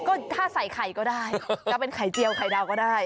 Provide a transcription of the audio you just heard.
ก็ถ้าใส่ไข่ก็ได้จะเป็นไข่เจียวไข่ดาวก็ได้